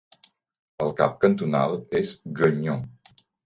El cap cantonal és Gueugnon.